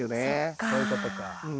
そういうことか。